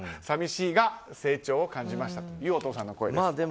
寂しいが、成長を感じましたというお父さんの声でした。